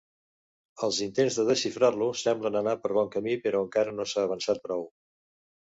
Els intents de desxifrar-lo semblen anar per bon camí però encara no s'ha avançat prou.